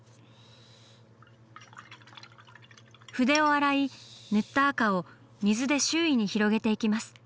筆を洗い塗った赤を水で周囲に広げていきます。